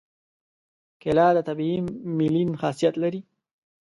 کېله د طبیعي ملین خاصیت لري.